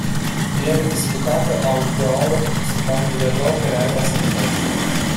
Viene disputato "outdoor" su campi da gioco in erba sintetica.